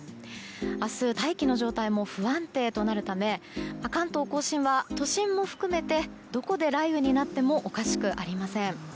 明日、大気の状態も不安定となるため関東・甲信は都心も含めてどこで雷雨になってもおかしくありません。